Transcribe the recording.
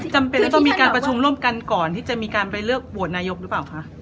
จำเป็นต้องมีการประชุมร่วมกันก่อนที่จะมีการไปเลือกโหวตนายกหรือเปล่าคะ